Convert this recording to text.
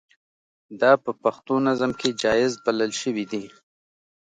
دا په پښتو نظم کې جائز بلل شوي دي.